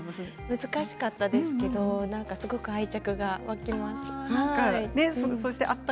難しかったですけれどすごく愛着が湧きました。